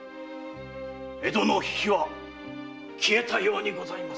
江戸の火は消えたようにございます。